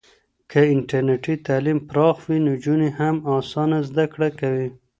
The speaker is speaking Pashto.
که انټرنېټي تعلیم پراخ وي، نجونې هم اسانه زده کړه کوي.